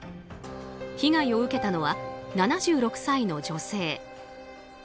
被害を受けたのは７６歳の女性。